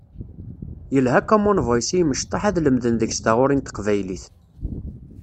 Yelha Common Voice i imecṭaḥ ad lemden deg-s taɣuri n teqbaylit.